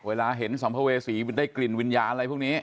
เวลาเห็นสัมภเวษีได้กลิ่นวิญญาณอะไรพวกนี้